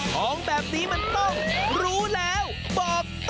ของแบบนี้มันต้องรู้แล้วบอก